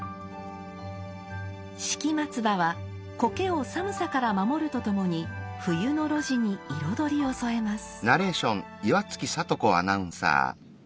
敷松葉は苔を寒さから守るとともに冬の露地に彩りを添えます。